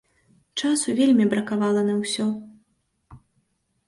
Часу вельмі бракавала на ўсё.